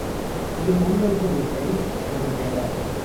இதில் உன் விருப்பம் எப்படி? என்று கேட்டான்.